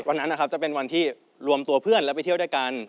วันนั้นนะครับจะเป็นวันที่รวมตัวเพื่อนแล้วไปเที่ยวด้วยกัน